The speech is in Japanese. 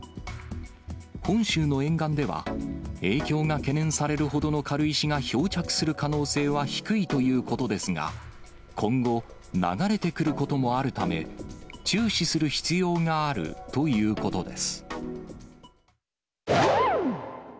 本州の沿岸では、影響が懸念されるほどの軽石が漂着する可能性は低いということですが、今後、流れてくることもあるため、注視する必要があるということです。